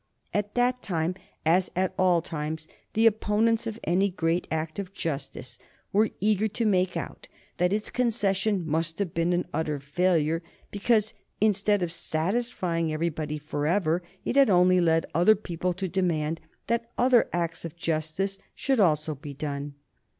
At that time, as at all times, the opponents of any great act of justice were eager to make out that its concession must have been an utter failure, because instead of satisfying everybody forever it had only led other people to demand that other acts of justice should also be done.